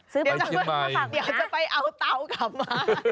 ซื้อปลาเชียงใหม่มาฝากนะเดี๋ยวจะไปเอาเตากลับมา